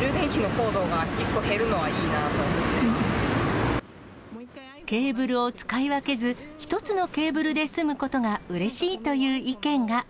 充電器のコードが１個減るのケーブルを使い分けず、１つのケーブルで済むことがうれしいという意見が。